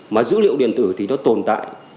mà dữ liệu điện tử thì nó tồn tại